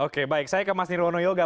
oke baik saya ke mas nirwono yoga